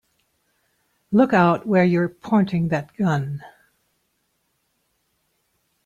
Look out where you're pointing that gun!